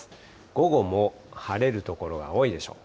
午後も晴れる所が多いでしょう。